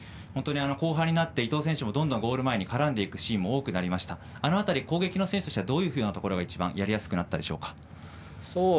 後半になって伊東選手もゴール前で絡んでいくシーンも多くなりましたがあの辺り攻撃の選手としてはどういうふうなところが一番やりやすくなったでしょうか？